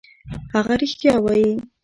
هغه رښتیا وايي.